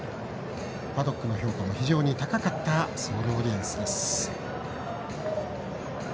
パドックの評価も非常に高かったソールオリエンスです。